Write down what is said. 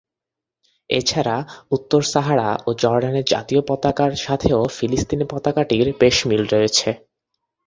এছাড়া, উত্তর সাহারা ও জর্ডানের জাতীয় পতাকার সাথেও ফিলিস্তিনী পতাকাটির বেশ মিল রয়েছে।